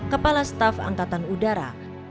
kepala staf angkatan udara